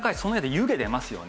湯気出ますよね。